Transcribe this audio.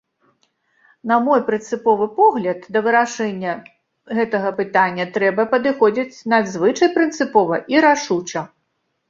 На мой прынцыповы погляд, да вырашэння гэтага пытання трэба падыходзіць надзвычай прынцыпова і рашуча.